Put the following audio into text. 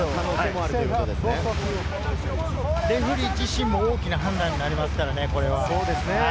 レフェリー自身も大きな判断になりますね。